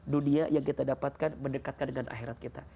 dunia yang kita dapatkan mendekatkan dengan akhirat kita